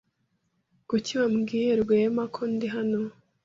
Kuki wabwiye Rwema ko ndi hano?